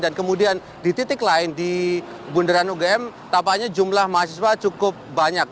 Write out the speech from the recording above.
dan kemudian di titik lain di bunderan ugm tampaknya jumlah mahasiswa cukup banyak